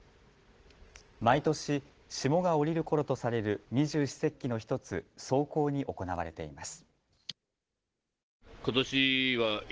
毎年、霜が降りるころとされる二十四節気の１つ、霜降に行われています。